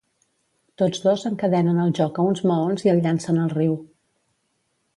Tots dos encadenen el joc a uns maons i el llancen al riu.